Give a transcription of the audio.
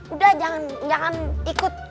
udah jangan ikut